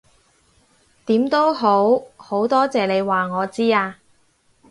點都好，好多謝你話我知啊